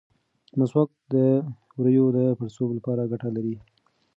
مسواک د ووریو د پړسوب لپاره ګټه لري.